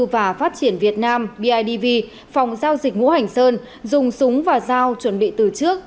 và phát triển việt nam bidv phòng giao dịch ngũ hành sơn dùng súng và dao chuẩn bị từ trước